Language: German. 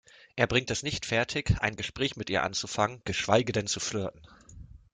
Er bringt es nicht fertig, ein Gespräch mit ihr anzufangen, geschweige denn zu flirten.